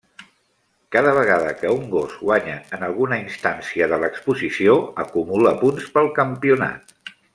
Cada vegada que un gos guanya en alguna instància de l'exposició, acumula punts pel campionat.